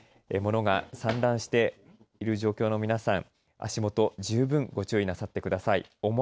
物が散乱している状況の皆さん足元十分ご注意なさってください。